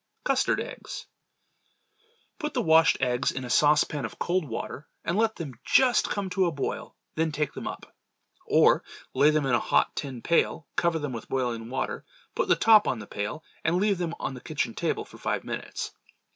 Custard Eggs. Put the washed eggs in a saucepan of cold water and let them just come to a boil, then take them up. Or, lay them in a hot tin pail, cover them with boiling water, put the top on the pail and leave them on the kitchen table for five minutes.